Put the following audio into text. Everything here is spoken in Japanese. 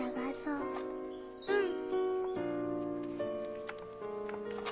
うん。